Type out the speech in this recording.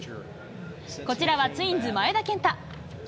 こちらはツインズ、前田健太。